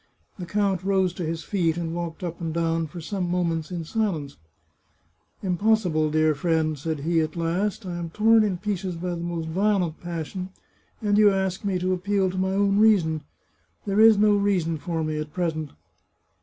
The count rose to his feet and walked up and down for some moments in silence. " Impossible, dear friend," said he at last. " I am torn in pieces by the most violent passion, and you ask me to appeal to my own reason. There is no reason for me at present."